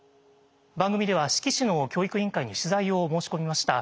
番組では志木市の教育委員会に取材を申し込みました。